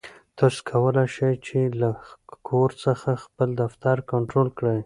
تاسو کولای شئ چې له کور څخه خپل دفتر کنټرول کړئ.